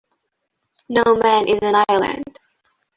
No man is an island.